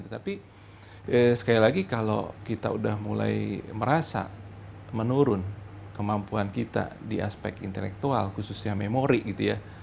tetapi sekali lagi kalau kita udah mulai merasa menurun kemampuan kita di aspek intelektual khususnya memori gitu ya